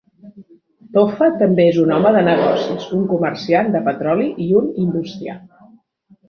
Tofa també és un home de negocis, un comerciant de petroli i un industrial.